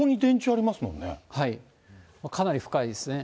だって、かなり深いですね。